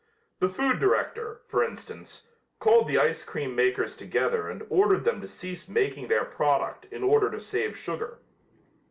The food director, for instance, called the ice cream makers together and ordered them to cease making their product in order to save sugar.